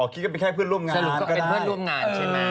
อ๋อคิดกันไม่แค่เพื่อนร่วมงานก็ได้